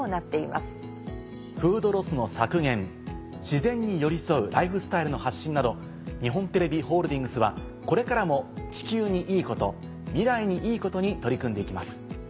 自然に寄り添うライフスタイルの発信など日本テレビホールディングスはこれからも地球にいいこと未来にいいことに取り組んで行きます。